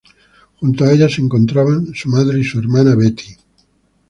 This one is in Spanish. Junto a ella se encontraban su madre y su hermana Betty.